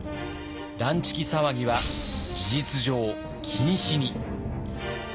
乱痴気騒ぎは事実上禁止に。